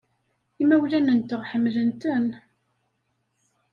Imawlan-nteɣ ḥemmlen-ten.